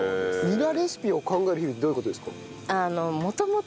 ニラレシピを考える日々ってどういう事ですか？